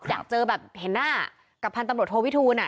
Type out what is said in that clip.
อยากเจอแบบเห็นหน้ากับพันธุ์ตำรวจโทวิทูล